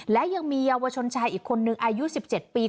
และยังมีเยาวชนชายอีกคนนึงอายุ๑๗ปี